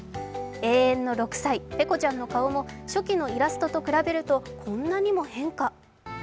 永遠の６歳、ペコちゃんの顔も初期のイラストと比べるとこんなに変化。